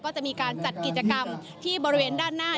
ก็จะมีการจัดกิจกรรมที่บริเวณด้านหน้า